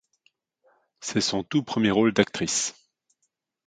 C'est son tout premier rôle d’actrice.